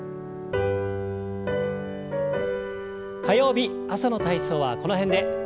火曜日朝の体操はこの辺で。